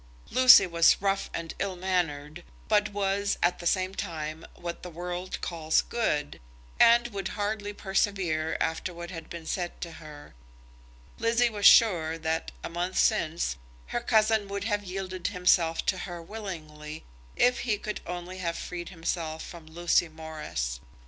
Lucy was rough and ill mannered, but was, at the same time, what the world calls good, and would hardly persevere after what had been said to her. Lizzie was sure that, a month since, her cousin would have yielded himself to her willingly, if he could only have freed himself from Lucy Morris.